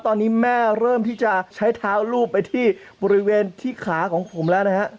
ตอนนี้แม่เริ่มที่จะใช้เท้าลูบไปที่บริเวณที่ขาของผมแล้วนะฮะ